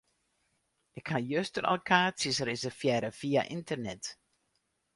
Ik ha juster al kaartsjes reservearre fia ynternet.